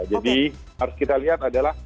jadi harus kita lihat adalah